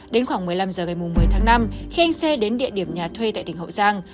đến khoảng một mươi năm h ngày một mươi tháng năm khi anh c đến địa điểm nhà thuê tại tỉnh hậu giang